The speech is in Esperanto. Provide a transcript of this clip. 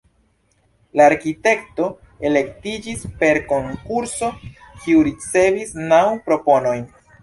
La arkitekto elektiĝis per konkurso, kiu ricevis naŭ proponojn.